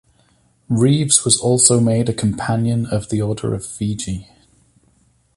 Reeves was also made a Companion of the Order of Fiji.